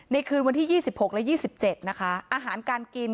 ในคืนวันที่๒๖และ๒๗อาหารการกิน